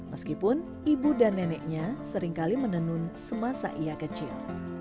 meskipun ibu dan neneknya seringkali menenun semasa ia kecil